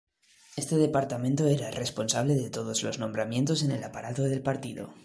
Este departamento era responsable de todos los nombramientos en el aparato del Partido.